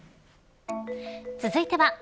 続いては＃